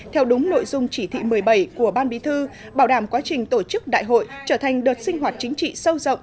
theo đúng nội dung chỉ thị một mươi bảy của ban bí thư bảo đảm quá trình tổ chức đại hội trở thành đợt sinh hoạt chính trị sâu rộng